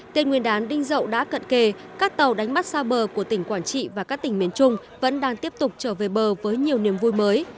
tên nguyên đán đinh dậu đã cận kề các tàu đánh bắt xa bờ của tỉnh quảng trị và các tỉnh miền trung vẫn đang tiếp tục trở về bờ với nhiều niềm vui mới